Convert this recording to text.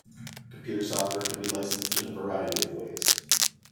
Computer software can be licensed in a variety of ways.